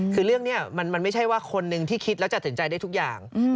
คือเรื่องนี้มันไม่ใช่ว่าคนหนึ่งที่คิดแล้วจะสนใจได้ทุกอย่าง